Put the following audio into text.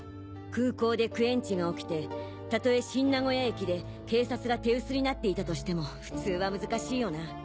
空港でクエンチが起きてたとえ新名古屋駅で警察が手薄になっていたとしても普通は難しいよな。